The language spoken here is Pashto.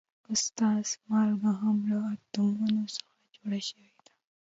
استاده مالګه هم له اتومونو څخه جوړه شوې ده